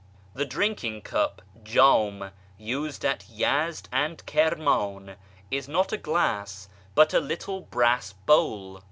The drinking cup (jdm) used at Yezd and Kirman is not a L^lass but a little brass bowl.